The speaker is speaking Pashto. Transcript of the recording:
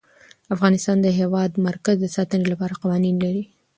افغانستان د د هېواد مرکز د ساتنې لپاره قوانین لري.